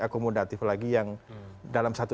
akomodatif lagi yang dalam satu